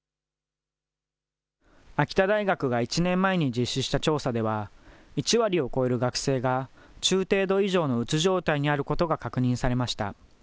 秋田大学が１年前に実施した調査では、１割を超える学生が中程度以上のうつ状態にあることが確認されました。